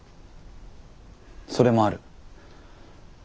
それもある。